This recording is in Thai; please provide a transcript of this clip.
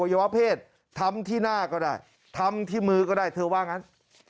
วะเพศทำที่หน้าก็ได้ทำที่มือก็ได้เธอว่างั้น